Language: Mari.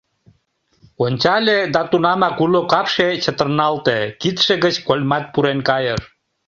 Ончале да тунамак уло капше чытырналте, кидше гыч кольмат пурен кайыш.